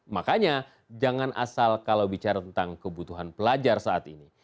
makanya jangan asal kalau bicara tentang kebutuhan pelajar saat ini